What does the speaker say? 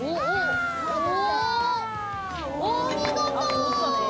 お見事！